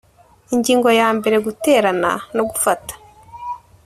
ingingo ya mbere guterana no gufata